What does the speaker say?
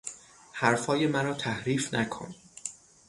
حرفهای مرا تحریف نکن!